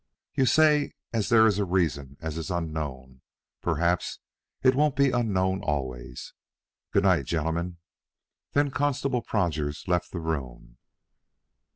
"You say as there is a reason as is unknown. Perhaps it won't be unknown always. Good night, gentlemen." Then Constable Prodgers left the room.